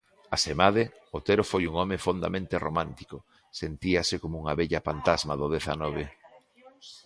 Asemade, Otero foi un home fondamente romántico; sentíase coma "unha vella pantasma do dezanove".